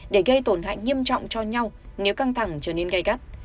để gây tổn hại nghiêm trọng cho nhau nếu căng thẳng trở nên gây gắt